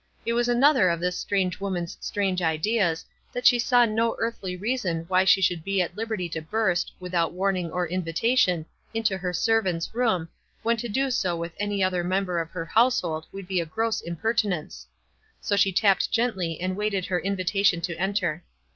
It was another of this strange woman's strange ideas that she saw no earthly reason why she should be at liberty to burst, without warning or invi tation, into her servant's room, when to do so with any other member of her household would be gross impertinence. So she tapped gently, and waited her invitation to enter.